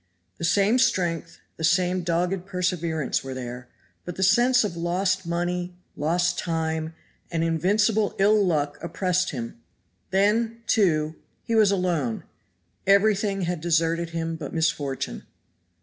The same strength, the same dogged perseverance were there, but the sense of lost money, lost time, and invincible ill luck oppressed him; then, too, he was alone everything had deserted him but misfortune.